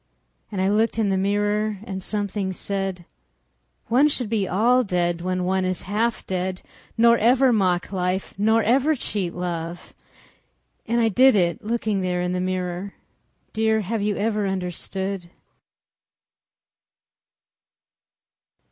And I looked in the mirror and something said: "One should be all dead when one is half dead—" Nor ever mock life, nor ever cheat love." And I did it looking there in the mirror— Dear, have you ever understood?